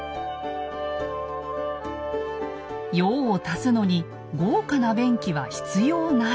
用を足すのに豪華な便器は必要ない。